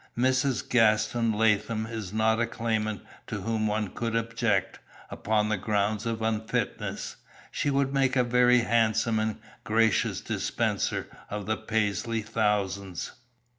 "Mrs. Gaston Latham is not a claimant to whom one could object, upon the ground of unfitness. She would make a very handsome and gracious dispenser of the Paisley thousands."